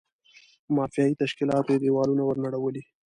مافیایي تشکیلاتو یې دېوالونه ور نړولي.